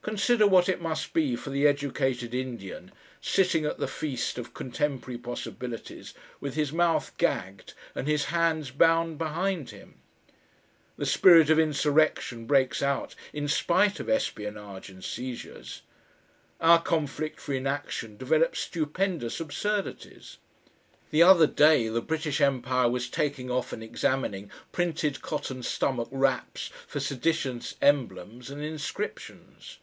Consider what it must be for the educated Indian sitting at the feast of contemporary possibilities with his mouth gagged and his hands bound behind him! The spirit of insurrection breaks out in spite of espionage and seizures. Our conflict for inaction develops stupendous absurdities. The other day the British Empire was taking off and examining printed cotton stomach wraps for seditious emblems and inscriptions....